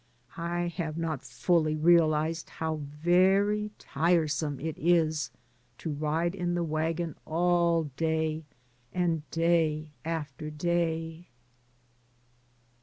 I have not fully realized how very tire 112 DAYS ON THE ROAD. some it is to ride in the wagon all day, and day after day.